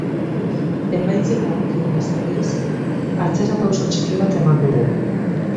Emaitzei dagokionez, aldiz, atzerapauso txiki bat eman dugu.